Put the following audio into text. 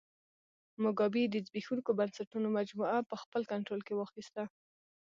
موګابي د زبېښونکو بنسټونو مجموعه په خپل کنټرول کې واخیسته.